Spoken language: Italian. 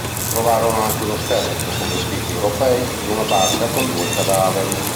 Trovarono anche uno scheletro con vestiti europei ed una barca con due cadaveri.